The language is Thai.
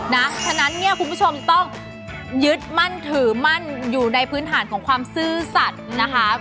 ฉะนั้นเนี่ยคุณผู้ชมต้องยึดมั่นถือมั่นอยู่ในพื้นฐานของความซื่อสัตว์นะคะ